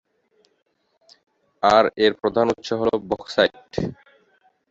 আর এর প্রধান উৎস হল বক্সাইট।